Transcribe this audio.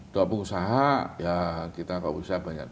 doa pengusaha ya kita pengusaha banyak